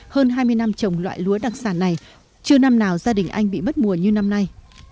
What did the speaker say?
hơn hai mươi năm trồng loại lúa đặc sản này chưa năm nào gia đình anh bị mất mùa như năm nay